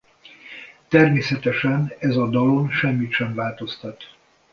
Természetesen ez a dalon semmit sem változtat.